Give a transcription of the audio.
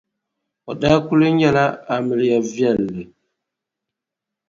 A daa kuli nyɛla amiliya viɛlli.